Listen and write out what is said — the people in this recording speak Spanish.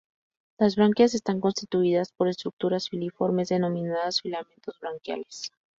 Las branquias están constituidas por estructuras filiformes denominadas filamentos branquiales.